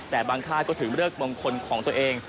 แต่บางค่ายก็ถือเลิกมงคลของตัวเอง